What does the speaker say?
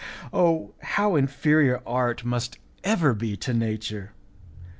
Oh! how inferior art must ever be to nature!